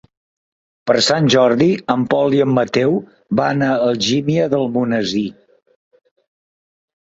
Per Sant Jordi en Pol i en Mateu van a Algímia d'Almonesir.